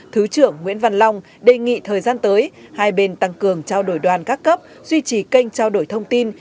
thứ trưởng nguyễn văn long đề nghị thời gian tới hai bên tăng cường trao đổi đoàn các cấp duy trì kênh trao đổi thông tin